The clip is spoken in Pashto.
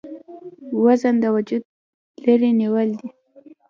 وزن د وجوده لرې نيول ،